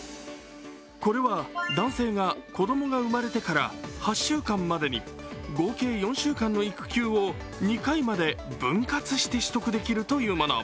これは男性が子供が生まれてから８週間までに合計４週間の育休を２回まで分割して取得できるというもの。